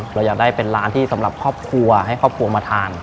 เราอยากได้เป็นร้านที่สำหรับครอบครัวให้ครอบครัวมาทาน